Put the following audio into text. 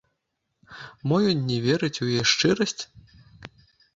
Мо ён не верыць у яе шчырасць?